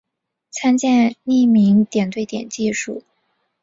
参见匿名点对点技术。